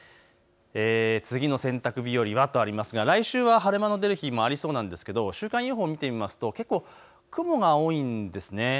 次の洗濯日和はとありますが来週は晴れ間の出る日もありそうなんですけど週間予報を見てみますと結構雲が多いんですね。